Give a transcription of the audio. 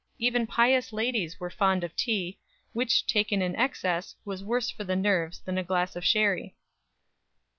Even pious ladies were fond of tea, which, taken in excess, was worse for the nerves than a glass of sherry."